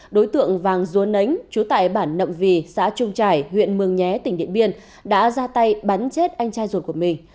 đối tượng vàng ruốn nấnh chú tại bản nậm vì xã trung trải huyện mường nhé tỉnh điện biên đã ra tay bắn chết anh trai ruột của mình